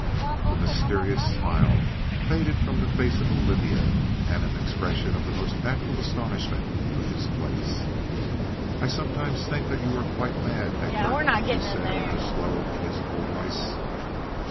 The mysterious smile faded from the face of Olivia, and an expression of the most natural astonishment took its place. "I sometimes think that you are quite mad, Egbert," she said in her slow, musical voice.